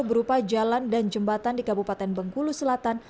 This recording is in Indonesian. berupa jalan dan jembatan di kabupaten bengkulu selatan